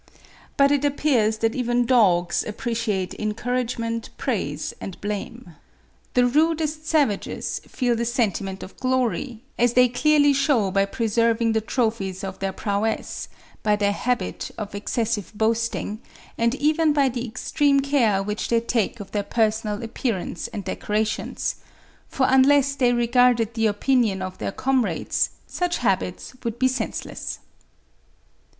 But it appears that even dogs appreciate encouragement, praise, and blame. The rudest savages feel the sentiment of glory, as they clearly shew by preserving the trophies of their prowess, by their habit of excessive boasting, and even by the extreme care which they take of their personal appearance and decorations; for unless they regarded the opinion of their comrades, such habits would be senseless.